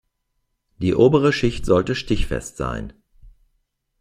Die obere Schicht sollte stichfest sein.